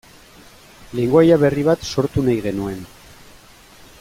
Lengoaia berri bat sortu nahi genuen.